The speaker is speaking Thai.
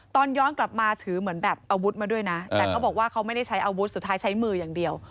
ตอนย้อนกลับมาถือเหมือนแบบอาวุธมาด้วยนะแต่เขาบอกว่าเขาไม่ได้ใช้อาวุธสุดท้ายใช้มืออย่างเดียว